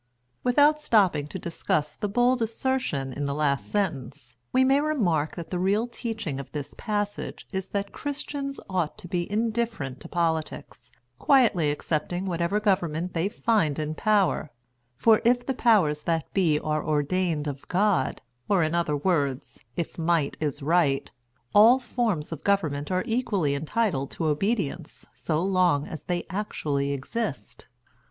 Without stopping to discuss the bold assertion in the last sentence, we may remark that the real teaching of this passage is that Christians ought to be indifferent to politics, quietly accepting whatever government they find in power; for if the powers that be are ordained of God, or in other words, if might is right, all forms of government are equally entitled to obedience so long as they actually exist.